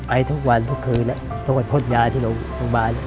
ไอทุกวันทุกคืนต้องไปพ่นยาที่โรงพยาบาล